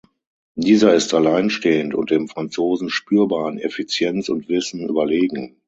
Dieser ist alleinstehend und dem Franzosen spürbar an Effizienz und Wissen überlegen.